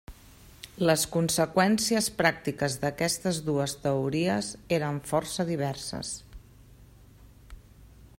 Les conseqüències pràctiques d'aquestes dues teories eren força diverses.